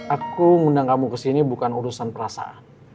aku ngundang kamu kesini bukan urusan perasaan